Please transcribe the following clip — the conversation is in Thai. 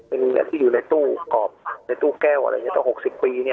อันนี้อาจอยู่ในตู้กรอบในตู้แก้วตั้ง๖๐ปี